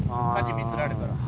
舵ミスられたら。